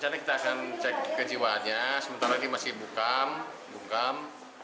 kita akan cek kejiwaannya sementara ini masih bungkam